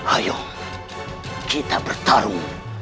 ayo kita bertarung